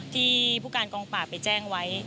ที่ผู้การกองปราบไปแจ้งไว้